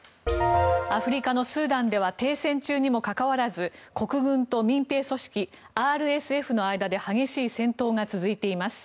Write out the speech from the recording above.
アフリカのスーダンでは停戦中にもかかわらず国軍と民兵組織ＲＳＦの間で激しい戦闘が続いています。